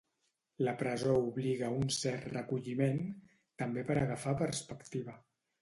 La presó obliga a un cert recolliment, també per agafar perspectiva.